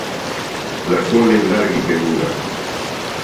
La cola es larga y peluda.